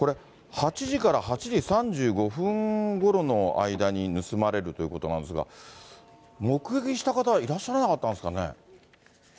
８時から８時３５分ごろの間に盗まれるということなんですが、目撃した方はいらっしゃらなかったんですかね。